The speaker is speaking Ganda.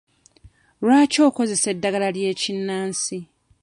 Lwaki okozesa eddagala ly'ekinnansi?